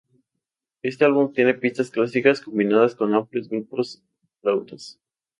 Este álbum tiene pistas clásicas combinadas con amplios grupos de flautas.